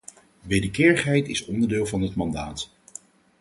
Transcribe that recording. Wederkerigheid is onderdeel van het mandaat.